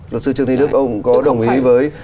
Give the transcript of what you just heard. luật sư trương thị đức ông có đồng ý với